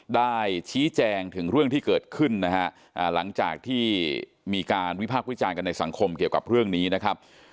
ได้ชี้แจงถึงเรื่องที่เกิดขึ้นนะฮะหลังจากที่มีการวิพากษ์วิจารณ์กันในสังคมเกี่ยวกับเรื่องนี้นะครับ